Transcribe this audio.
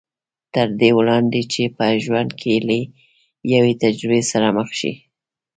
تر دې وړاندې چې په ژوند کې له يوې تجربې سره مخ شي.